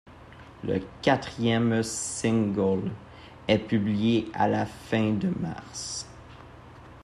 Le quatrième single, ' est publié à la fin de mars.